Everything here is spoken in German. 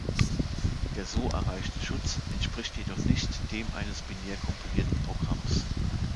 Der so erreichte Schutz entspricht jedoch nicht dem eines binär kompilierten Programms.